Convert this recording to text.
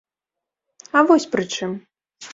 А вось пры чым.